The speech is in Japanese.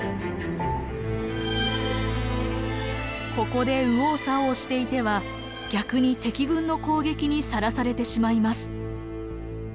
ここで右往左往していては逆に敵軍の攻撃にさらされてしまいます。